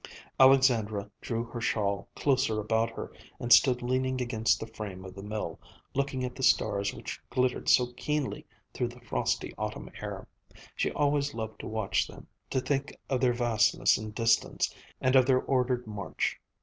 Alexandra drew her shawl closer about her and stood leaning against the frame of the mill, looking at the stars which glittered so keenly through the frosty autumn air. She always loved to watch them, to think of their vastness and distance, and of their ordered march.